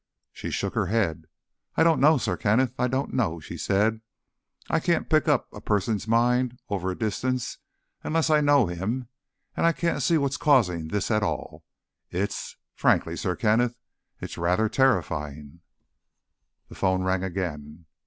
She shook her head. "I don't know, Sir Kenneth. I don't know," she said. "I can't pick up a person's mind over a distance unless I know him, and I can't see what's causing this at all. It's—frankly, Sir Kenneth, it's rather terrifying." The phone rang again.